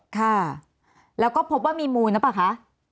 ค่ะแล้วก็พบว่ามีมูลหรือเปล่าคะ